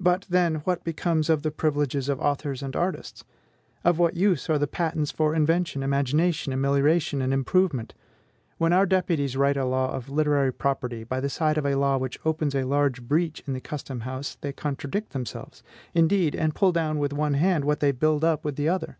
But, then, what becomes of the privileges of authors and artists? Of what use are the patents for invention, imagination, amelioration, and improvement? When our deputies write a law of literary property by the side of a law which opens a large breach in the custom house they contradict themselves, indeed, and pull down with one hand what they build up with the other.